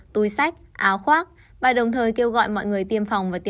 tui sách áo khoác